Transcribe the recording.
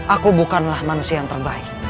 aku bukanlah manusia yang terbaik